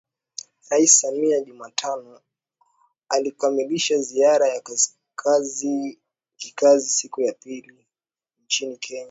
Rais Samia Jumatano alikamilisha ziara ya kikazi ya siku mbili nchini Kenya